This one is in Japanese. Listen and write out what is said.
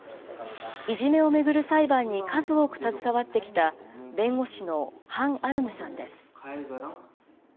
いじめを巡る裁判に数多く携わってきた弁護士のハン・アルムさんです。